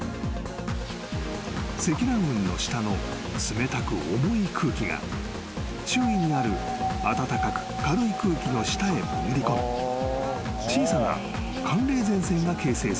［積乱雲の下の冷たく重い空気が周囲にある暖かく軽い空気の下へ潜り込み小さな寒冷前線が形成される］